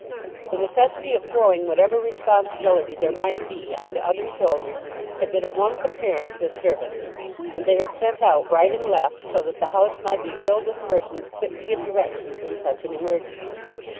The necessity of throwing whatever responsibility there might be on to other shoulders had been at once apparent to the servants, and they had sent out right and left, so that the house might be filled with persons fit to give directions in such an emergency.